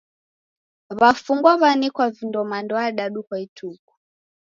W'afungwa w'anekwa vindo mando adadu kwa ituku.